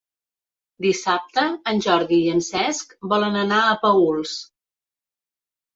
Dissabte en Jordi i en Cesc volen anar a Paüls.